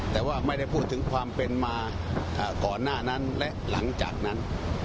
แต่ว่าไม่ได้พูดถึงความเป็นมาก่อนหน้านั้นและหลังจากนั้น